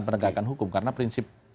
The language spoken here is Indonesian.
penegakan hukum karena prinsip